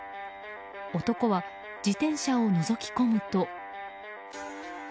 男は自転車をのぞき込むと。